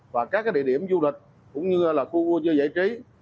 và các địa điểm du lịch cũng như là khu vực dạy trí